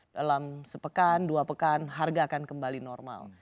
dalam sepekan dua pekan harga akan kembali normal